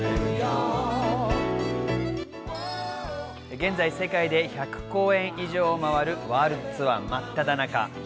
現在、世界で１００公演以上を回るワールドツアーのまっただ中。